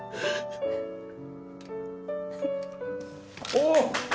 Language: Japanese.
おっ。